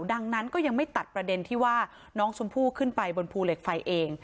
ดังนั้นก็ยังไม่ตัดประเด็นที่ว่าน้องชมพู่ขึ้นไปบนภูเหล็กไฟเอง